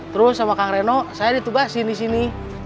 terus sama kang reno saya ditubah sini sini